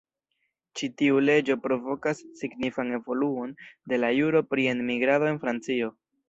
Ĉi tiu leĝo provokas signifan evoluon de la juro pri enmigrado en Francio.